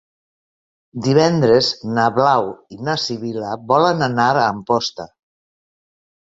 Divendres na Blau i na Sibil·la volen anar a Amposta.